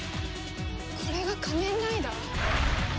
これが仮面ライダー？